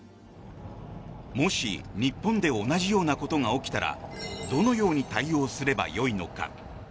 もし日本で同じようなことが起きたらどのように対応すればよいのか。